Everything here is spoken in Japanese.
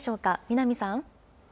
南さん。